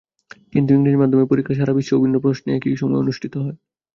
কিন্তু ইংরেজি মাধ্যমের পরীক্ষা সারা বিশ্বে অভিন্ন প্রশ্নে একই সময়ে অনুষ্ঠিত হয়।